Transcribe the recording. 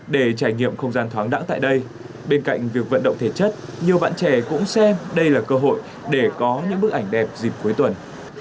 bên cạnh việc vận động thể chất nhiều bạn trẻ cũng xem đây là cơ hội để có những bức ảnh đẹp dịp cuối tuần